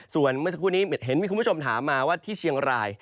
ส่วนเมื่อสักครู่นี้เห็นมีคุณผู้ชมถามมาว่าที่เชียงราย